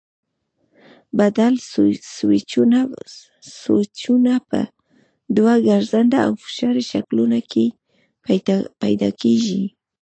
بدل سویچونه په دوو ګرځنده او فشاري شکلونو کې پیدا کېږي.